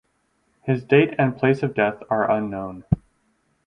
His date and place of death are unknown.